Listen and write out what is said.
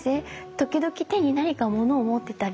時々手に何か物を持ってたりして。